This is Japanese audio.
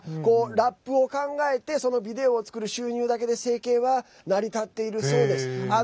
ラップを考えてそのビデオを作る収入だけで生計は成り立っているそうです。